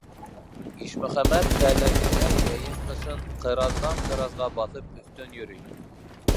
Ишмөхәмәт тәләгенә йәйен- ҡышын ҡыраздан-ҡыразға баҫып, өҫтән йөрөй.